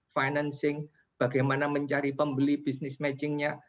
financing bagaimana mencari pembeli business matchingnya